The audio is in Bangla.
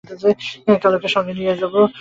কাল ওকে সঙ্গে করে নিয়ে আসবো।